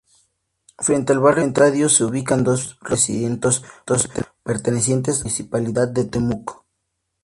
Frente al barrio Estadio, se ubican dos recintos pertenecientes a la Municipalidad de Temuco.